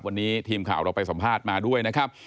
วันนี้ทีมข่าวเราไปสัมภาษณ์มาด้วยนะครับ